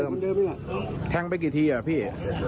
มีสารเหตุไรที่เขาทำหรือไหม